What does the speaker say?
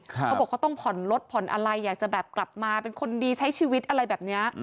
เขาบอกเขาต้องผ่อนรถผ่อนอะไรอยากจะแบบกลับมาเป็นคนดีใช้ชีวิตอะไรแบบนี้